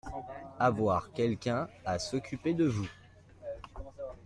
Avoir quelqu’un à s’occuper de vous.